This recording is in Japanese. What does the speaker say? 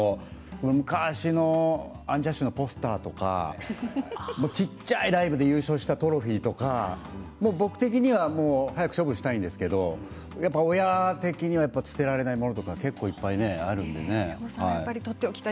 昔のアンジャッシュのポスターとか小さなライブで優勝したトロフィーとか僕的には早く処分したいんですけれど親は捨てられない物は結構、いっぱいあるよね。